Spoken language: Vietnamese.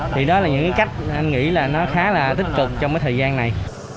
thì đó là những cái cách anh nghĩ là nó khá là tích cực trong cái thời gian này